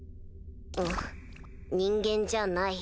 うん人間じゃない。